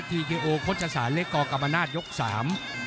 ทีเคโอโคชศาสตร์เล็กก่อกรรมนาศยกสาม